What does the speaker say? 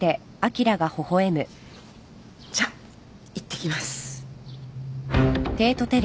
じゃいってきます。